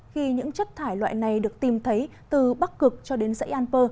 khi những chất thải loại này được tìm thấy từ bắc cực cho đến dãy alper